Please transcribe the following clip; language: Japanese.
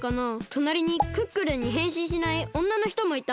となりにクックルンにへんしんしないおんなのひともいた。